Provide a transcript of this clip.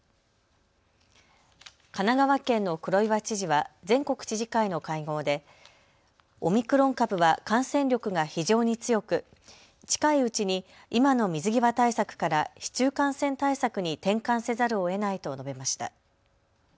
神奈川県の黒岩知事は全国知事会の会合でオミクロン株は感染力が非常に強く、近いうちに今の水際対策から市中感染対策に転換せざるをえないと述べました。